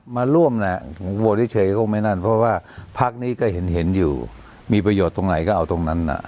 มาร่วมแหละผมโหวตเฉยก็ไม่นั่นเพราะว่าพักนี้ก็เห็นอยู่มีประโยชน์ตรงไหนก็เอาตรงนั้นน่ะ